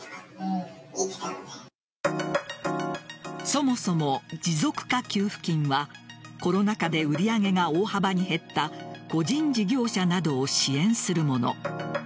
そもそも、持続化給付金はコロナ禍で売り上げが大幅に減った個人事業者などを支援するもの。